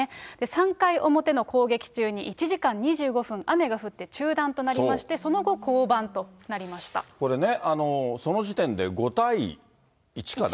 ３回表の攻撃中に１時間２５分、雨が降って中断となりまして、その後、これね、その時点で５対１かな。